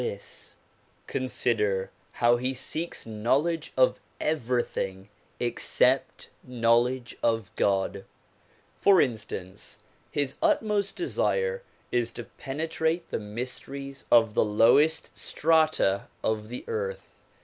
222 THE PROMULGATION OF UNIVERSAL PEACE Consider how he seeks knowledge of everything except knowledge of God. For instance, his utmost desire is to penetrate the mys teries of the lowest strata of the earth.